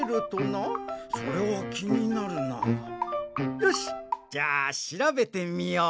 よしじゃあしらべてみよう。